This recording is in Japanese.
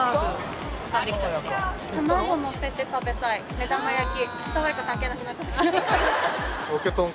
目玉焼き。